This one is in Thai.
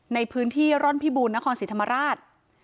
ในพื้นที่ร่อนพิบูรณนครศรีธรรมราช